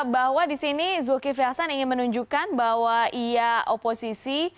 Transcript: bahwa di sini zulkifli hasan ingin menunjukkan bahwa ia oposisi